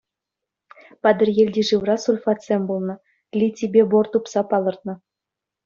Патӑрьелти шывра сульфатсем пулнӑ, литипе бор тупса палӑртнӑ.